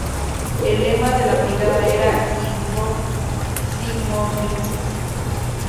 El lema de la brigada era ""In hoc signo vinces"".